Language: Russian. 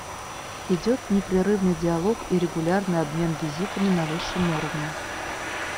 Идет непрерывный диалог и регулярный обмен визитами на высшем уровне.